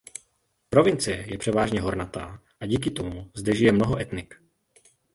Provincie je převážně hornatá a díky tomu zde žije mnoho etnik.